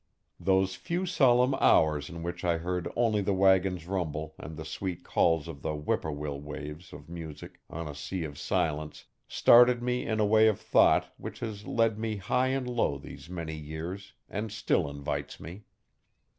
Those few solemn hours in which I heard only the wagon's rumble and the sweet calls of the whip poor will waves of music on a sea of silence started me in a way of thought which has led me high and low these many years and still invites me.